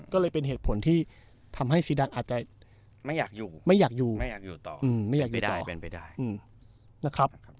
ก็เลยเป็นเหตุผลที่ทำให้ซีดังอาจจะไม่อยากอยู่ไม่อยากอยู่ไม่อยากอยู่ต่อไม่อยากอยู่ต่อเป็นไปได้นะครับ